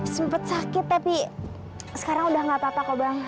sempat sakit tapi sekarang udah gak apa apa kok bang